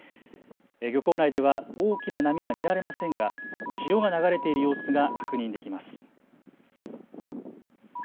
漁港内では大きな波は見られませんが、潮が流れている様子が確認できます。